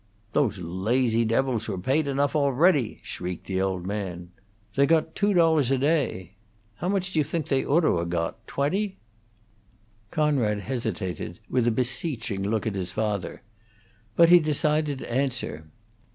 "Those lazy devils were paid enough already," shrieked the old man. "They got two dollars a day. How much do you think they ought to 'a' got? Twenty?" Conrad hesitated, with a beseeching look at his father. But he decided to answer.